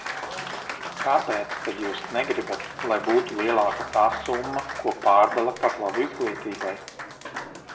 Kāpēc tad jūs negribat, lai būtu lielāka tā summa, ko pārdala par labu izglītībai?